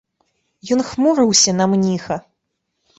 Ён хмурыўся на мніха.